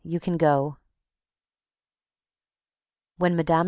You can go." When Mme.